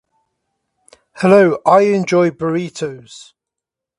He was assisted by Leslie Osborne.